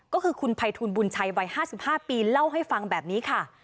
ก็คือคุณภัยทูลบุญชัยวัย๕๕ปีเล่าให้ฟังแบบนี้ค่ะ